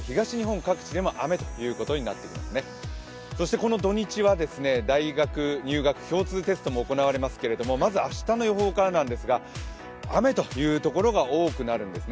この土日は大学入学共通テストも行われますがまず明日の予報からですが、雨というところが多くなるんですね。